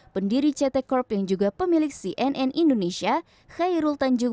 pendiri ct corp yang juga pemilik cnn indonesia khairul tanjung